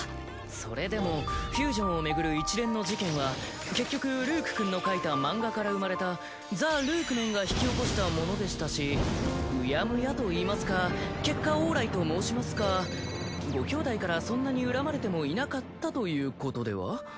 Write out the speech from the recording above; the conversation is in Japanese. それでもフュージョンを巡る一連の事件は結局ルークくんの描いた漫画から生まれたザ・ルークメンが引き起こしたものでしたしうやむやといいますか結果オーライと申しますかご兄弟からそんなに恨まれてもいなかったということでは？